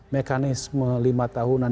mekanisme lima tahunan